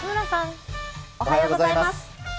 おはようございます。